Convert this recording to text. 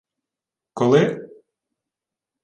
— Коли?